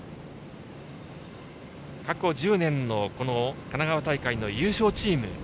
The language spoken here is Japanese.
過去１０年の神奈川大会の優勝チーム。